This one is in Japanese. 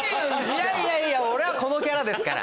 いやいや俺はこのキャラですから。